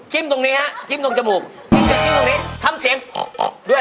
จิ้มตรงนี้ฮะจิ้มตรงจมูกจิ้มตรงนี้ทำเสียงด้วย